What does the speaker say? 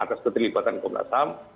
atas keterlibatan komnas ham